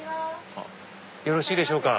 よろしいでしょうか？